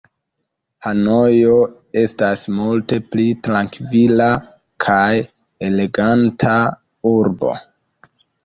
Hanojo estas multe pli trankvila kaj eleganta urbo.